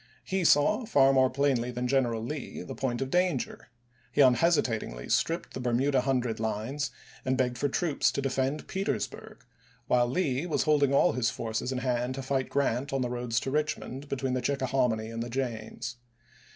He saw, far more plainly than General Lee, the point of danger ; he unhesi tatingly stripped the Bermuda Hundred lines and begged for troops to defend Petersburg, while Lee was holding all his forces in hand to fight Grant on the roads to Eichmond between the Chickahominy and the James.